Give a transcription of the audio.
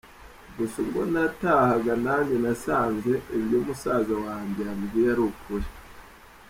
Gusa ubwo natahaga nanjye nasanze ibyo musaza wanjye yambwiye ari ukuri.